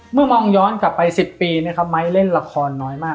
เมื่อมองย้อนกลับไปสิบปีเนี่ยค่ะไม้เล่นละครน้อยมาก